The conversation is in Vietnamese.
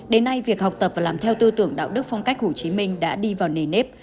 đến nay việc học tập và làm theo tư tưởng đạo đức phong cách hồ chí minh đã đi vào nề nếp